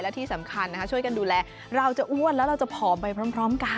และที่สำคัญช่วยกันดูแลเราจะอ้วนแล้วเราจะผอมไปพร้อมกัน